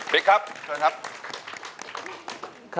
บิ๊กครับเชิญครับขอบคุณครับ